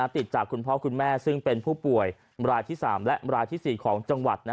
ติดจากคุณพ่อคุณแม่ซึ่งเป็นผู้ป่วยรายที่๓และรายที่๔ของจังหวัด